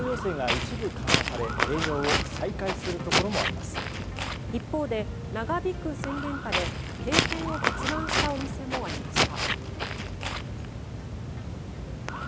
一方で長引く宣言下で閉店を決断するお店もありました。